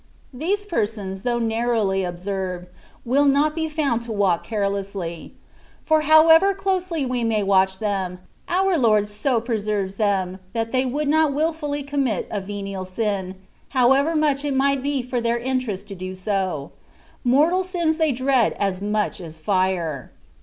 These persons, though narrowly observed, will not be found to walk carelessly; for however closely we may watch them, our Lord so preserves them that they would not wilfully commit a venial sin, however much it might be for their interjest to do so: mortal sins they dread as much as fire.